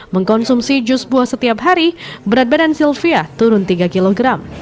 mengkonsumsi jus buah setiap hari berat badan sylvia turun tiga kg